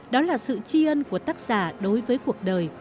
đó là sự tri ân của tác giả đối với cuộc đời